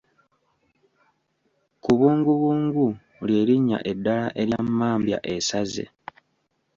Kubungubungu ly'erinnya eddala erya mmambya esaze .